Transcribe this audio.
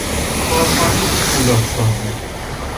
کارخانهی پولادسازی